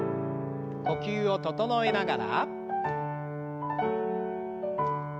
呼吸を整えながら。